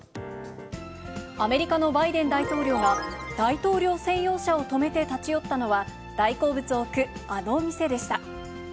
アメリカのバイデン大統領が、大統領専用車を止めて立ち寄ったのは、大好物を置く、あの店でした。